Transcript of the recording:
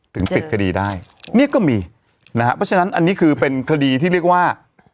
ปิดคดีได้เนี่ยก็มีนะฮะเพราะฉะนั้นอันนี้คือเป็นคดีที่เรียกว่า